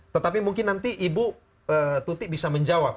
tetapi mungkin nanti ibu tuti bisa menjawab